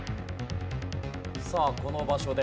さあこの場所です。